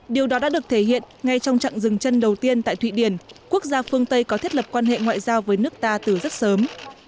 điều đó đã được thể hiện ngay trong trận dừng chân đầu tiên tại thụy điển quốc gia phương tây có thiết lập quan hệ ngoại giao với nước ta từ rất sớm